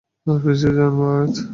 পিছিয়ে যান, জাভেদ!